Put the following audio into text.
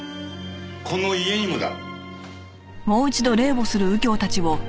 この家にもだ。